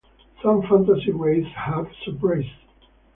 Some fantasy races have subraces.